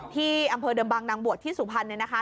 ที่อำเภอเดิมบางนางบวชที่สุพรรณเนี่ยนะคะ